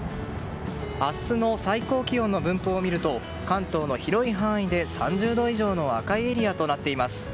明日の最高気温の分布を見ると関東の広い範囲で３０度以上の赤いエリアとなっています。